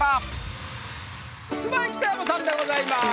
キスマイ北山さんでございます。